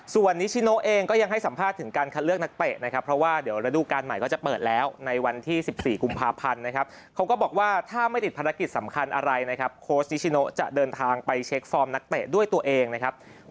ส่วนนิชโนเองก็ยังให้สัมภาษณ์ถึงการเลือกนักเตะนะครับ